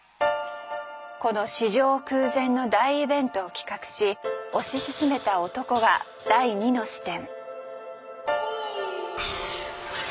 この史上空前の大イベントを企画し推し進めた男が第２の視点。